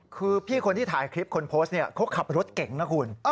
คือพี่คนที่ถ่ายคลิปคนโพสต์เนี่ยเขาขับรถเก่งนะคุณ